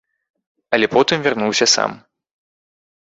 Але потым вярнуўся сам.